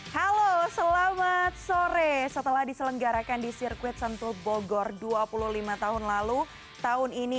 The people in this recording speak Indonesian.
halo selamat sore setelah diselenggarakan di sirkuit sentul bogor dua puluh lima tahun lalu tahun ini